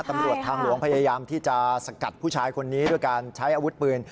ตำรวจทางหลวงพยายามที่จะสกัดผู้ชายคนนี้ด้วยการใช้อาวุธปืน